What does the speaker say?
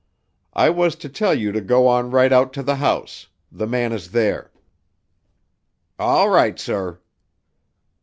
"I was to tell you to go on right out to the house. The man is there." "All right, sir."